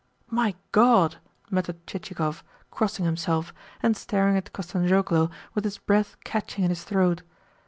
"My God!" muttered Chichikov, crossing himself, and staring at Kostanzhoglo with his breath catching in his throat.